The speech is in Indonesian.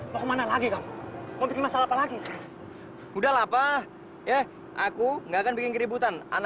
bos saya udah ngelapor duluan